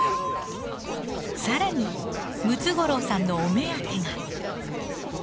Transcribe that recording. さらにムツゴロウさんのお目当てが。